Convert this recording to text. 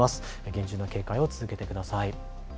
厳重な警戒を続けてください。